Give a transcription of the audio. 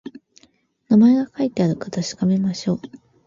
名前が書いてあるか確かめましょう